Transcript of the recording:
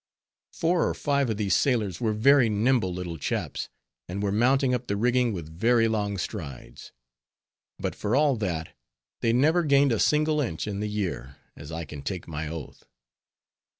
Four or five of these sailors were very nimble little chaps, and were mounting up the rigging with very long strides; but for all that, they never gained a single inch in the year, as I can take my oath.